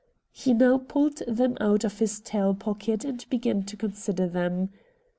He now pulled them out of his tail pocket and began to consider them.